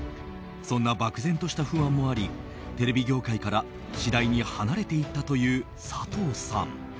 そんな漠然とした不安もありテレビ業界から次第に離れていったという佐藤さん。